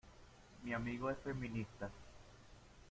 Mi amigo es feminista